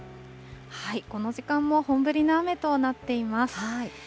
この時間も本降りの雨となっています。